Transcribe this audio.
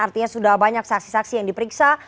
artinya sudah banyak saksi saksi yang diperiksa